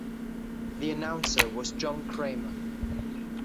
The announcer was John Cramer.